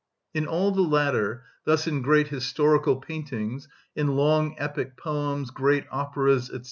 In all the latter, thus in great historical paintings, in long epic poems, great operas, &c.